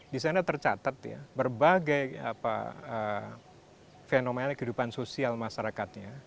di sana tercatat ya berbagai fenomena kehidupan sosial masyarakatnya